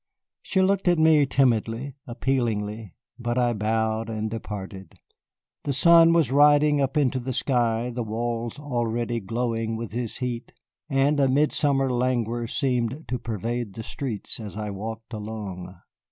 She looked at me timidly, appealingly, but I bowed and departed. The sun was riding up into the sky, the walls already glowing with his heat, and a midsummer languor seemed to pervade the streets as I walked along.